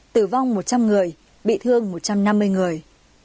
tử vong một trăm linh người bị thương một trăm năm mươi người